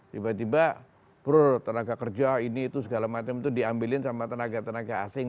tiba tiba pro tenaga kerja ini itu segala macam itu diambilin sama tenaga tenaga asing